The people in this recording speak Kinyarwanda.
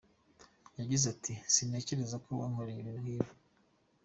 Yagize Ati “Sintekereza Ko wankorera ibintu nkibi.